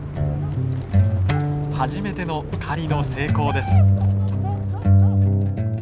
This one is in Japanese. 初めての狩りの成功です。